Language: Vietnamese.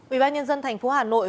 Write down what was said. ubnd tp hà nội